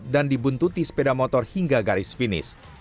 dan dibuntuti sepeda motor hingga garis finis